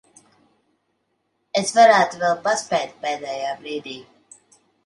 Es varētu vēl paspēt pēdējā brīdī.